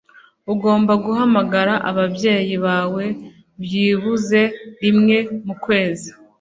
Ugomba guhamagara ababyeyi bawe byibuze rimwe mu kwezi.